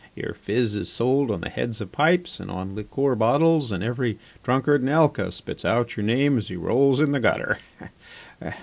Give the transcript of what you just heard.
"Your phiz is sold on the heads of pipes and on liqueur bottles and every drunkard in Alca spits out your name as he rolls in the gutter.